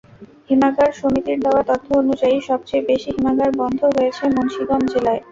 হিমাগার সমিতির দেওয়া তথ্য অনুযায়ী, সবচেয়ে বেশি হিমাগার বন্ধ হয়েছে মুন্সিগঞ্জ জেলায়।